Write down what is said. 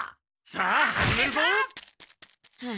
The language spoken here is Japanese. さあ始めるぞ！は